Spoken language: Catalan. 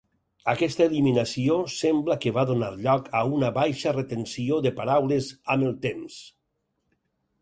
Aquesta eliminació sembla que va donar lloc a una baixa retenció de paraules amb el temps.